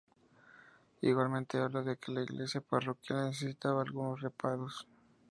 Igualmente habla de que la iglesia parroquial necesitaba algunos reparos.